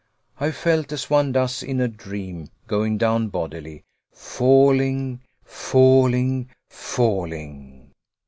I felt as one does in a dream, going down bodily falling; falling; falling!